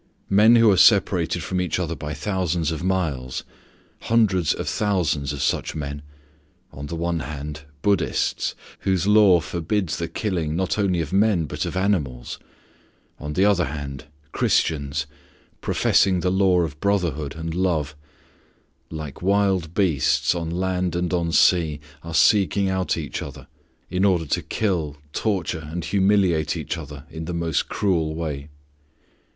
Men who are separated from each other by thousands of miles, hundreds of thousands of such men (on the one hand Buddhists, whose law forbids the killing, not only of men, but of animals; on the other hand Christians, professing the law of brotherhood and love) like wild beasts on land and on sea are seeking out each other, in order to kill, torture, and mutilate each other in the most cruel way.